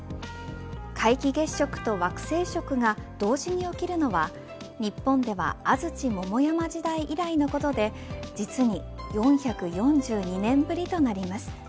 皆既月食と惑星食が同時に起きるのは日本では安土桃山時代以来のことで実に４４２年ぶりとなります。